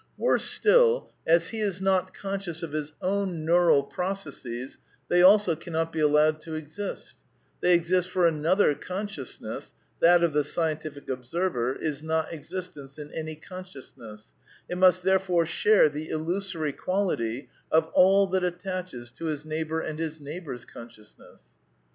Worse still, as he is not conscious of his own neural processes, they also cannot be allowed to exist ; their existence for another consciousness, that of the scientific observer, is not existence in any consciousness; it must therefore share the illusory quality of all that attaches to his neighbour and his neighbour's consciousness.